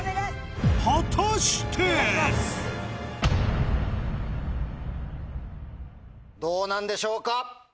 果たして⁉どうなんでしょうか？